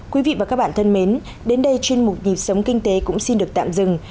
quý vị và các bạn thân mến đến đây chuyên mục nhịp sống kinh tế cũng xin được tạm dừng